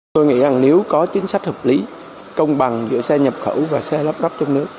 tôi nghĩ rằng nếu có chính sách hợp lý công bằng giữa xe nhập khẩu và xe lắp rắp trong nước